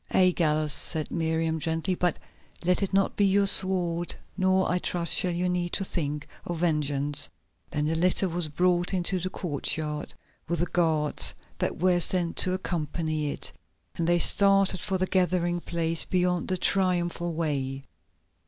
"Aye, Gallus," said Miriam gently, "but let it not be your sword, nor, I trust, shall you need to think of vengeance." Then the litter was brought into the courtyard, with the guards that were sent to accompany it, and they started for the gathering place beyond the Triumphal Way.